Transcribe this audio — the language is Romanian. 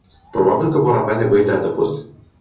Probabil că vor avea nevoie de adăpost.